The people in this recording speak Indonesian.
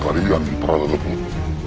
kalian para lembut